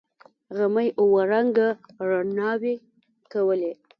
غمي اوه رنگه رڼاوې کولې.